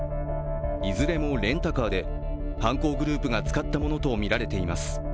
いずれもレンタカーで犯行グループが使ったものとみられています。